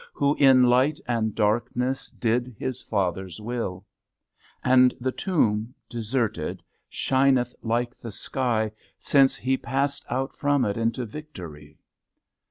Who, in light and darkness. Did His Father's will. And the tomb, deserted, Shineth like the sky, Since He passed out from it, Into vidory.